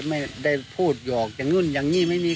ไม่ได้พูดหยอกอย่างนู้นอย่างนี้ไม่มี